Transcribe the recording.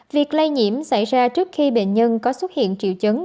việc lây nhiễm xảy ra trước khi bệnh nhân có xuất hiện triệu chứng